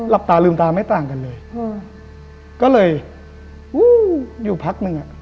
หลับตาลืมตาไม่ต่างกันเลยอืมก็เลยอยู่พักหนึ่งอ่ะ